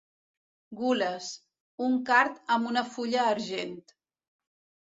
Gules, un card amb una fulla argent.